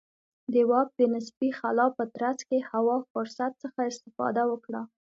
د واک د نسبي خلا په ترڅ کې هوا فرصت څخه استفاده وکړه.